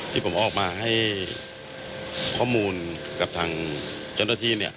ที่ผมออกมาให้ข้อมูลกับทางเจ้าหน้าที่